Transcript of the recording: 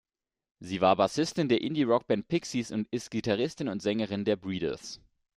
Sie war Bassistin der Indie-Rockband Pixies und ist Gitarristin und Sängerin der Breeders.